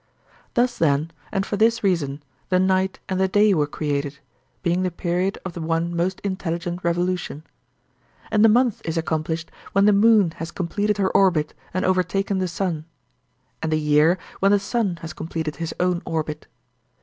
Thus then, and for this reason the night and the day were created, being the period of the one most intelligent revolution. And the month is accomplished when the moon has completed her orbit and overtaken the sun, and the year when the sun has completed his own orbit.